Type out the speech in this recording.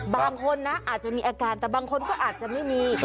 บางคนนะอาจจะมีอาการแต่บางคนก็อาจจะไม่มี